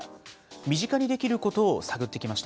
身近にできることを探ってきました。